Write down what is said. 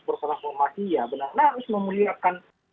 bertransformasi ya benar benar harus memuliakan